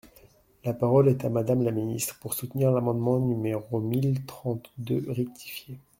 La parole est à Madame la ministre, pour soutenir l’amendement numéro mille trente-deux rectifié.